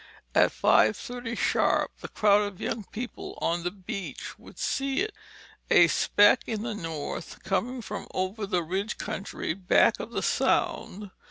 At five thirty sharp the crowd of young people on the beach would see it, a speck in the north, coming from over the ridge country back of the Sound.